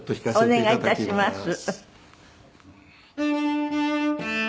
お願い致します。